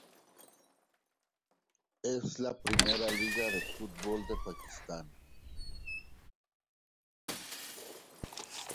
Es la primera liga de fútbol de Pakistán.